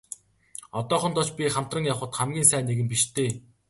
Одоохондоо ч би хамтран явахад хамгийн сайн нэгэн биш дээ.